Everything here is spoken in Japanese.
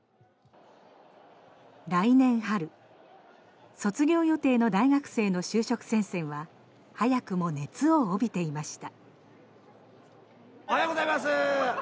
来年春卒業予定の大学生の就職戦線は早くも熱を帯びていました。